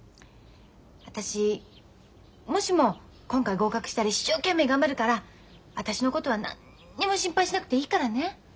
私もしも今回合格したら一生懸命頑張るから私のことは何にも心配しなくていいからね。